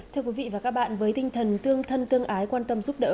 thưa quý vị và các bạn với tinh thần tương thân tương ái quan tâm giúp đỡ